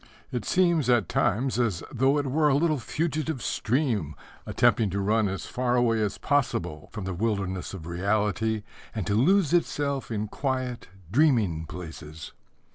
It seems at times as though it were a little fugitive stream attempting to run as far away as possible from the wilderness of reality and to lose itself in quiet, dreaming places.